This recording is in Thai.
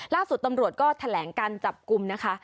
ล่าสุดตำรวจก็แถลงการจับกลุ่มนะคะ